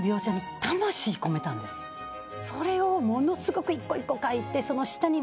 それをものすごく一個一個描いて。